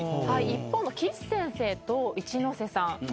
一方の岸先生と一ノ瀬さん